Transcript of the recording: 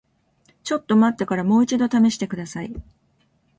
ちょっと待ってからもう一度試してください。